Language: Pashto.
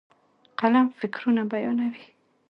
قلم فکرونه بیانوي.